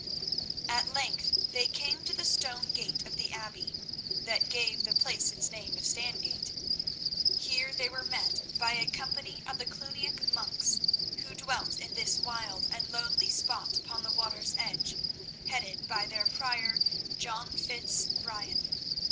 At length they came to the stone gate of the Abbey, that gave the place its name of Stangate. Here they were met by a company of the Cluniac monks, who dwelt in this wild and lonely spot upon the water's edge, headed by their prior, John Fitz Brien.